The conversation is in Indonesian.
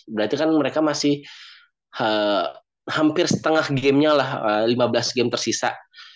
berarti kan mereka masih hampir setengah gamenya lah lima belas game tersisa